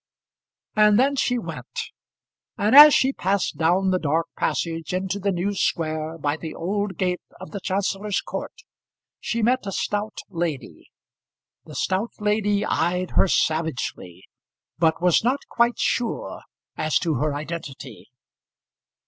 And then she went; and as she passed down the dark passage into the new square by the old gate of the Chancellor's court, she met a stout lady. The stout lady eyed her savagely, but was not quite sure as to her identity.